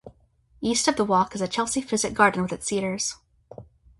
East of the Walk is the Chelsea Physic Garden with its cedars.